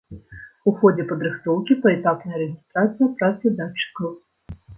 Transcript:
У ходзе падрыхтоўкі паэтапная рэгістрацыя працы датчыкаў.